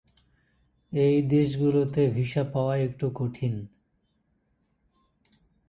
এই দেশগুলোতে ভিসা পাওয়া একটু কঠিন।